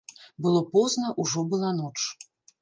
Было позна, ужо была ноч.